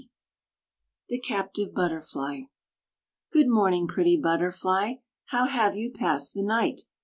=The Captive Butterfly= Good morning, pretty Butterfly! How have you passed the night?